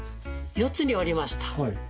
４つに折りました。